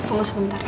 tunggu sebentar ya